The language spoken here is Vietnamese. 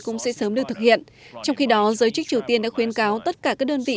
cũng sẽ sớm được thực hiện trong khi đó giới chức triều tiên đã khuyến cáo tất cả các đơn vị